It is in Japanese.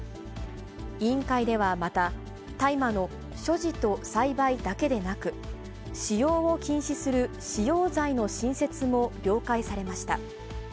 委員会ではまた、大麻の所持と栽培だけでなく、使用を禁止する使用罪の新設も了解されました。